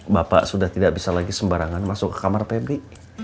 bapak sudah tidak bisa lagi sembarangan masuk ke kamar febri